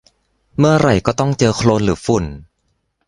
เมื่อไหร่ก็ต้องเจอโคลนหรือฝุ่น